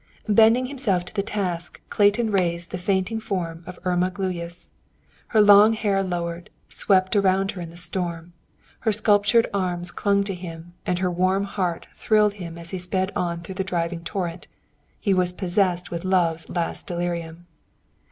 Bending himself to the task, Clayton raised the fainting form of Irma Gluyas. Her long hair lowered, swept around her in the storm; her sculptured arms clung to him, and her warm heart thrilled him as he sped on through the driving torrent. He was possessed with Love's last delirium.